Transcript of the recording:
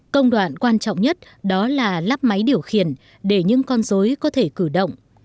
công đoạn quan trọng nhất đó là lắp máy điều khiển để những con dối có thể cử động